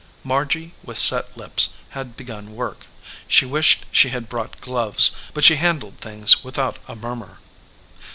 Margy, with set lips, had begun work. She wished she had brought gloves, but she handled things without a murmur.